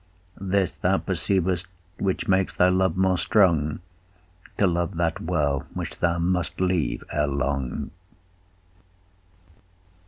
This thou perceiv'st, which makes thy love more strong, To love that well, which thou must leave ere long.